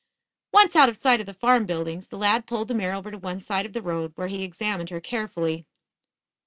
Once out of sight of the farm buildings, the lad pulled the mare to one side of the road, where he examined her carefully.